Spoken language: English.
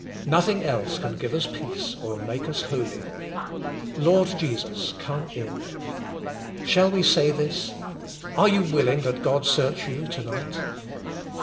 Nothing else can give us peace or make us holy. Lord Jesus! come in. Shall we say this? Are you willing that 'THK ski.f i,ife:. 57 God search you tonig ht?